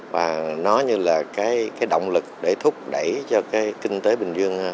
và nó như là động lực để thúc đẩy cho kinh tế bình dương